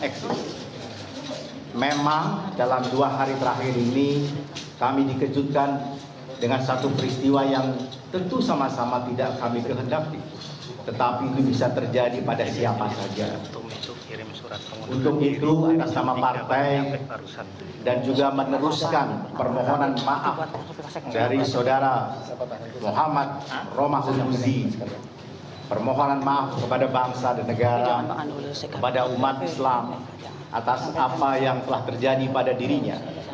kepada pemerintah saya ingin mengucapkan terima kasih kepada pemerintah pemerintah yang telah menonton